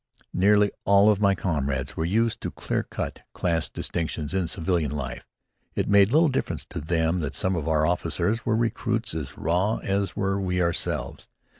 Nearly all of my comrades were used to clear cut class distinctions in civilian life. It made little difference to them that some of our officers were recruits as raw as were we ourselves.